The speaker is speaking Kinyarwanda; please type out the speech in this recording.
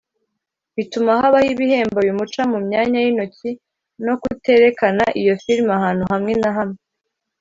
bituma habaho ibihembo bimuca mu myanya y’intoki no kuterekana iyo filime ahantu hamwe na hamwe